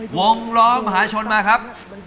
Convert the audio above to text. วงล้อมหาชนมาครับ